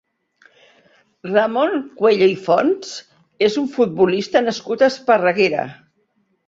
Ramon Cuello i Fonts és un futbolista nascut a Esparreguera.